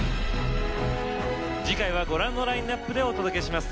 次回はご覧のラインナップでお届けします。